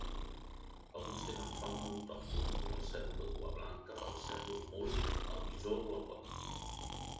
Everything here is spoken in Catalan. Alguns tenen fauna autòctona com el cérvol de cua blanca, el cérvol mul, el bisó o el uapití.